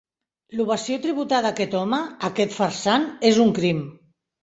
L’ovació tributada a aquest home, a aquest farsant, és un crim